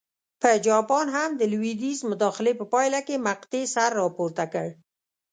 په جاپان هم د لوېدیځ مداخلې په پایله کې مقطعې سر راپورته کړ.